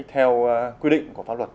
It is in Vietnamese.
theo quy định của pháp luật